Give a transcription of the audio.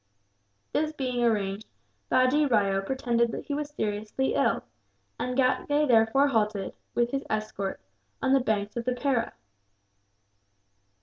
This being arranged, Bajee Rao pretended that he was seriously ill; and Ghatgay therefore halted, with his escort, on the banks of the Paira.